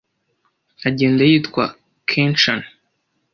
Agenda yitwa Kenchan.